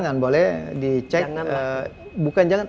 jangan boleh dicek bukan jangan